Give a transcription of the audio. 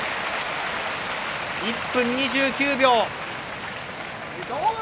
１分２９秒。